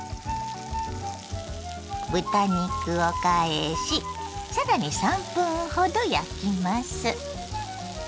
豚肉を返しさらに３分ほど焼きます。